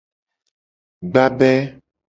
Gbabe.